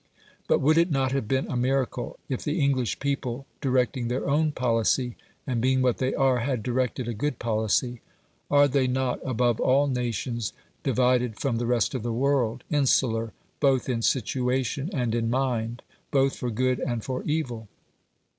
But would it not have been a miracle if the English people, directing their own policy, and being what they are, had directed a good policy? Are they not above all nations divided from the rest of the world, insular both in situation and in mind, both for good and for evil?